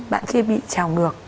bạn kia bị trào ngược